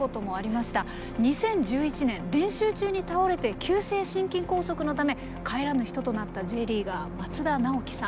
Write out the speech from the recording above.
２０１１年練習中に倒れて急性心筋梗塞のため帰らぬ人となったＪリーガー松田直樹さん。